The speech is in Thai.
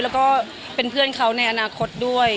แล้วก็เป็นเพื่อนเขาในอนาคตด้วย